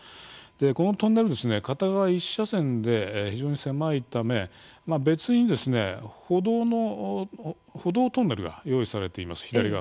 このトンネル、片側１車線で非常に狭いため別に歩道トンネルが用意されています。